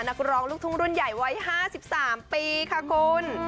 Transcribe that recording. นักร้องลูกทุ่งรุ่นใหญ่วัย๕๓ปีค่ะคุณ